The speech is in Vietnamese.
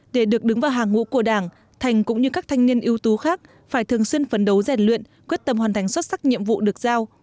để được đứng vào hàng ngũ của đảng thành cũng như các thanh niên ưu tú khác phải thường xuyên phấn đấu rèn luyện quyết tâm hoàn thành xuất sắc nhiệm vụ được giao